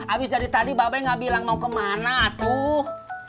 abis dari tadi babai nggak bilang mau ke mana atuh